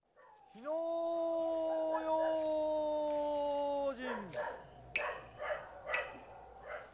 火の用心！